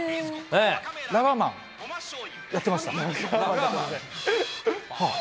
ラガーマンやってました。